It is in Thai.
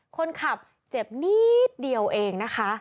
คนขับเจ็บนิดเดียวเองนะคะ